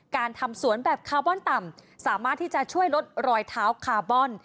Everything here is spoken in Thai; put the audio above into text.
การทำสวนแบบคาร์บอนต่ำสามารถที่จะช่วยลดรอยเท้าคาร์บอน